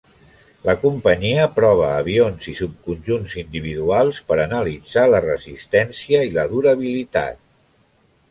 La companyia prova avions i subconjunts individuals per analitzar la resistència i la durabilitat.